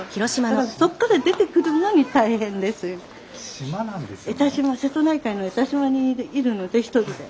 島なんですね。